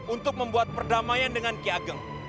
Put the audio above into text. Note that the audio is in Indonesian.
untuk membuat perdamaian dengan ki ageng